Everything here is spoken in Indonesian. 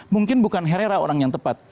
mungkin bukan herrera orang yang tepat